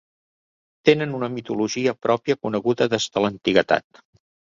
Tenen una mitologia pròpia coneguda des de l'antiguitat.